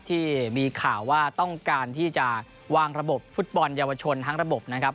ที่มีข่าวว่าต้องการที่จะวางระบบฟุตบอลเยาวชนทั้งระบบนะครับ